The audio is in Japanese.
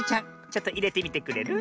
ちょっといれてみてくれる？